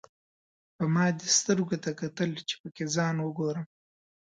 ما به دې سترګو ته کتل، چې پکې ځان وګورم.